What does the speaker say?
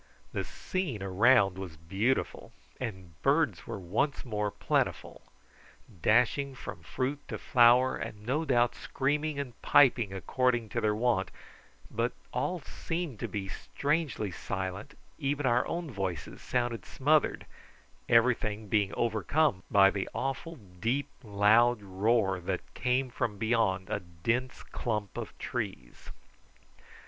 The scene around was beautiful, and birds were once more plentiful, dashing from fruit to flower, and no doubt screaming and piping according to their wont, but all seemed to be strangely silent, even our own voices sounded smothered, everything being overcome by the awful deep loud roar that came from beyond a dense clump of trees.